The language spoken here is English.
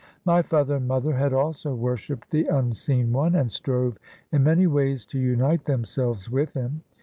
My father and mother had also worshipped the Unseen One, And strove in many ways to unite themselves with Him.